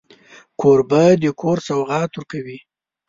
کوربه د کور سوغات ورکوي.